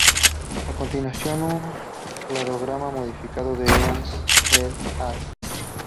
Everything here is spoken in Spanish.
A continuación un cladograma modificado de Evans "et al.